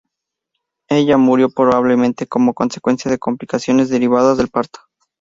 Ella murió probablemente como consecuencia de complicaciones derivadas del parto.